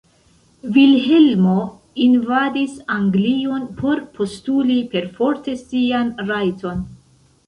Vilhelmo invadis Anglion por postuli perforte sian "rajton".